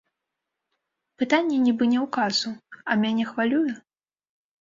Пытанне нібы не ў касу, а мяне хвалюе?